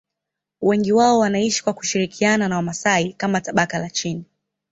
Wengi wao wanaishi kwa kushirikiana na Wamasai kama tabaka la chini.